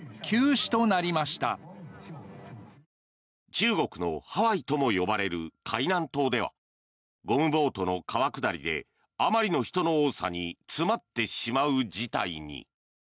中国のハワイとも呼ばれる海南島ではゴムボートの川下りであまりの人の多さに詰まってしまう事態に。